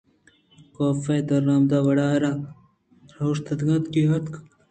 کاف درآمد ءِ وڑا راہ سرااوشتاتگ اَت کہ آ اتک اَنت